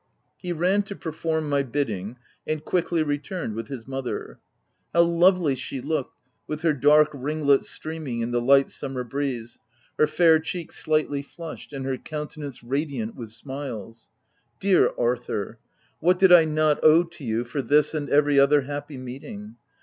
He ran to perform my bidding, and quickly returned with his mother. How lovely she looked with her dark ringlets streaming in the light summer breeze, her fair cheek slightly OF WILDFELL HALL. 181 flushed, and her countenance radiant with smiles !— Dear Arthur ! what did I not owe to you for this and every other happy meeting?